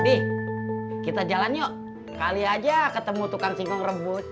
di kita jalan yuk kali aja ketemu tukang singkong rebus